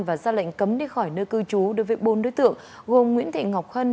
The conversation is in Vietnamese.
và ra lệnh cấm đi khỏi nơi cư trú đối với bốn đối tượng gồm nguyễn thị ngọc hân